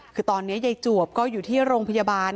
คือตอนนี้ยายจวบก็อยู่ที่โรงพยาบาล